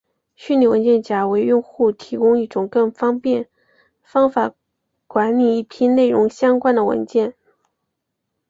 虚拟文件夹为用户提供一种更方便方法管理一批内容相关的文件。